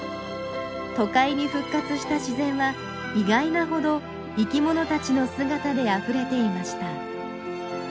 都会に復活した自然は意外なほど生きものたちの姿であふれていました。